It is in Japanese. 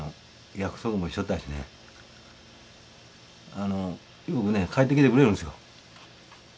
あのよくね帰ってきてくれるんですよ。